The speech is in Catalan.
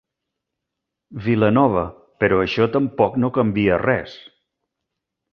Vilanova, però això tampoc no canvia res.